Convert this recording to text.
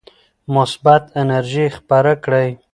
مثبته انرژي خپره کړئ.